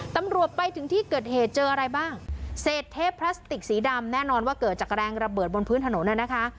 ตำรวจไปถึงที่เกิดเหตุเจออะไรบ้างเศษเทปพลาสติกสีดำแน่นอนว่าเกิดจากแรงระเบิดบนพื้นถนนน่ะนะคะ